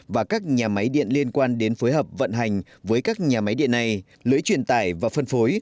và các nhà máy điện liên quan đến phối hợp vận hành với các nhà máy điện này lưới truyền tải và phân phối